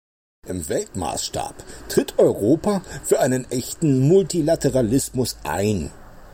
Im Weltmaßstab tritt Europa für einen echten Multilateralismus ein.